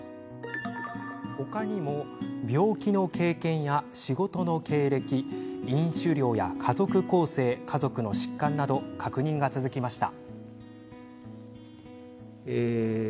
他にも、病気の経験や仕事の経歴飲酒量や家族構成、家族の疾患など確認が続きました。